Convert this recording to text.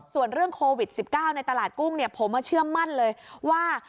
ส่วนเรื่องโควิด๑๙ในตลาดกุ้งผมเชื่อมั่นเลยว่า